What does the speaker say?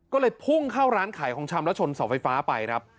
ก็เลยพุ่งเข้าร้านขายของชำแล้วชนเสาไฟฟ้าไปครับ